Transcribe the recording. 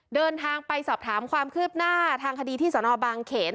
เดินทางไปสอบถามความคืบหน้าทางคดีที่สนบางเขน